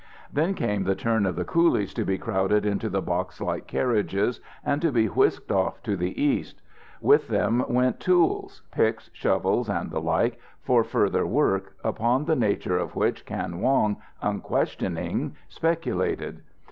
Then came the turn of the coolies to be crowded into the boxlike carriages and to be whisked off to the east. With them went tools picks, shovels, and the like for further work, upon the nature of which Kan Wong, unquestioning, speculated.